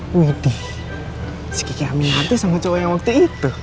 wih dih si kiki amin hati sama cowo yang waktu itu